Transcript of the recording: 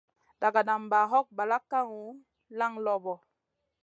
Dagadamba hog balak kaŋu, laŋ loɓo.